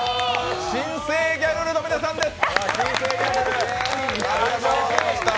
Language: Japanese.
新生ギャルルの皆さんです。